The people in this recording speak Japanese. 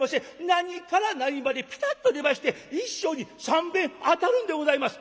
何から何までピタッと出まして一生に３べん当たるんでございます」。